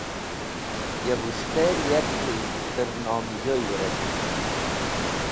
Yo bũs̃htẽr yarki tẽr nomẽjoy wẽrek̃hk.